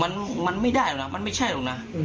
มันไม่ได้หรอกนะมันไม่ใช่หรอกนะ